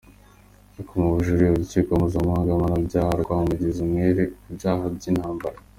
Ariko mu bujurire, urukiko mpuzamahanga mpanabyaha rwamugize umwere ku byaha by'intambara.